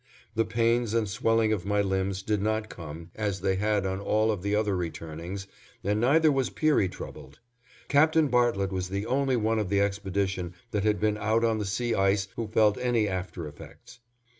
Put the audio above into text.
The pains and swellings of my limbs did not come as they had on all of the other returnings, and neither was Peary troubled. Captain Bartlett was the only one of the expedition that had been out on the sea ice who felt any after effects.